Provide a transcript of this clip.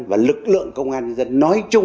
và lực lượng công an nhân dân nói chung